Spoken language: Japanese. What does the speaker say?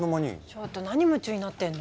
ちょっと何夢中になってんの？